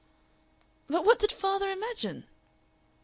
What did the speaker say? "But what did father imagine?"